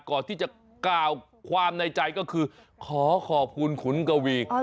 ก่อนที่จะกล่าวความในใจก็คือขอขอบคุณขุนกวี